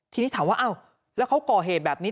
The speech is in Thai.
ทีนี้ถามว่าอ้าวแล้วเขาก่อเหตุแบบนี้